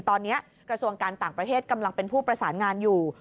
ตอนนี้กระทรวงการต่างประเทศกำลังเป็นผู้ประสานงานอยู่